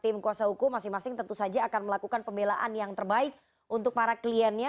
karena tim kuasa hukum masing masing tentu saja akan melakukan pemelaan yang terbaik untuk para kliennya